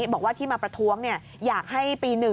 บอกว่าที่มาประท้วงอยากให้ปี๑